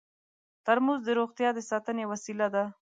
ترموز د روغتیا د ساتنې وسیله ده.